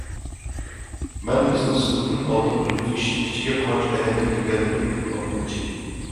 مەن بىزنىڭ سىنىپتىن ئالدىنقى يۈز كىشىنىڭ ئىچىگە قانچە ئادەمنىڭ كىرگەنلىكىنى بىلىپ باقماقچى.